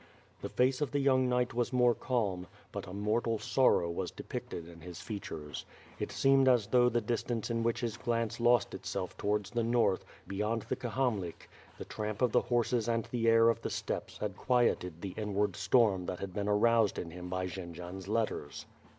The face of the young knight was more calm, but a mortal sorrow was depicted in his features. It seemed as though the distance in which his glance lost itself towards the north, beyond the Kamhalik, the tramp of the horses and the air of the steppes had quieted the inward storm that had been aroused in him by Jandzian's letters.